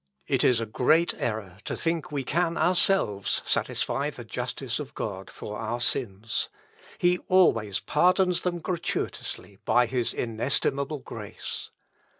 It is a great error to think we can ourselves satisfy the justice of God for our sins. He always pardons them gratuitously by his inestimable grace.